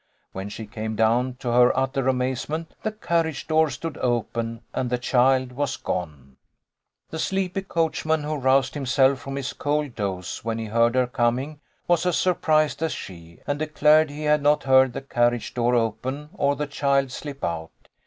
When she came down, to her utter amazement the carriage door stood open, and the child was gone. The sleepy coachman, who roused himself from his cold doze when he heard her coming, was as sur prised as she, and declared he had not heard the carriage door open or the child slip out.